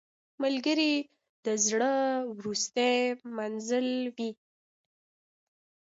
ملګری د زړه وروستی منزل وي